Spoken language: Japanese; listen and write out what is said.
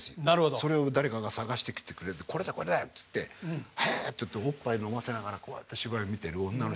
それを誰かが探してきてくれてこれだよこれだよっつってへえっておっぱい飲ませながらこうやって芝居見てる女の人がちゃんと描かれてる。